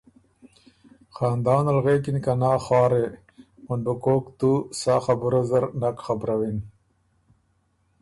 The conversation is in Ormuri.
خاندانه ل غوېکِن که نا خوارې! مُن بُو تُو کوک سا خبُره زر نک خبرَوِن